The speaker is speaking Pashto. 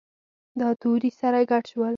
دا توري سره ګډ شول.